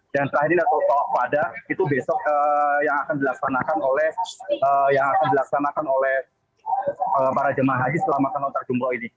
dan terakhir toah pifadah itu besok yang akan dilaksanakan oleh para jemaah haji selama akan lutar jumroh ini